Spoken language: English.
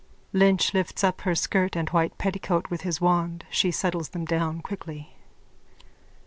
_(Lynch lifts up her skirt and white petticoat with the wand. She settles them down quickly.)